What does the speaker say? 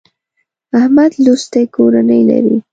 احمد لوستې کورنۍ لري.